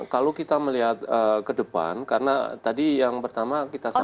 kalau kita melihat ke depan karena tadi yang pertama kita sampaikan